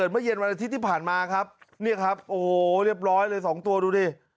เว่นที่ที่ผ่านมาครับโอ้โฮเรียบร้อยเลยสองตัวดูดิ